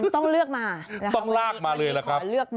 ต้องเลือกมาต้องลากมาเลยล่ะครับ